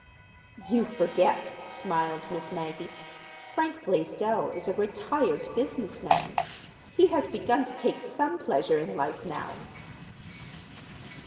"You forget," smiled Miss Maggie. "Frank Blaisdell is a retired business man. He has begun to take some pleasure in life now."